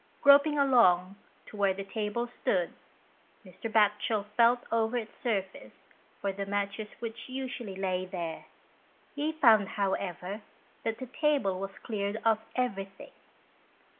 Groping along to where the table stood, Mr. Batchel felt over its surface for the matches which usually lay there ; he found, how ever, that the table was cleared of everything.